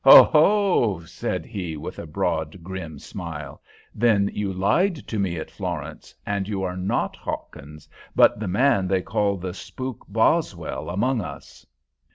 "Oho!" said he, with a broad, grim smile. "Then you lied to me at Florence, and you are not Hawkins, but the man they call the spook Boswell among us?"